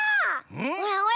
ほらほら